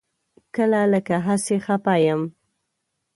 کله لکه هسې خپه یم.